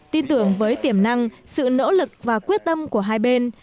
tin tưởng với tiềm năng sự nỗ lực và quyết tâm của hai bên